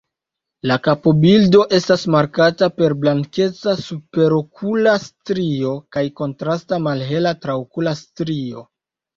La kapobildo estas markata per blankeca superokula strio kaj kontrasta malhela traokula strio.